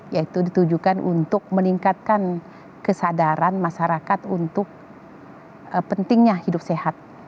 yaitu ditujukan untuk meningkatkan kesadaran masyarakat untuk pentingnya hidup sehat